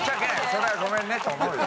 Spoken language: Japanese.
それはごめんねと思うよ。